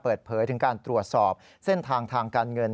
เปิดเผยถึงการตรวจสอบเส้นทางทางการเงิน